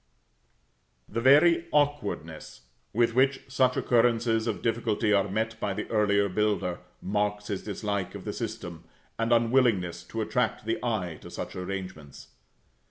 The very awkwardness with which such occurrences of difficulty are met by the earlier builder, marks his dislike of the system, and unwillingness to attract the eye to such arrangements.